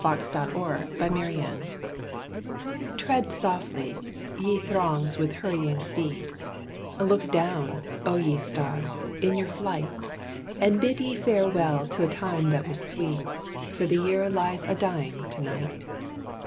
'" The Two Years Tread softly, ye throngs with hurrying feet, Look down, O ye stars, in your flight, And bid ye farewell to a time that was sweet, For the year lies a dying to night.